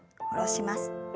下ろします。